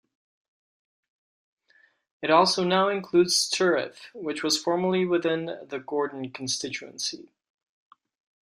It also now includes Turriff, which was formerly within the Gordon constituency.